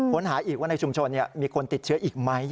ค้นหาอีกว่าในชุมชนมีคนติดเชื้ออีกไหม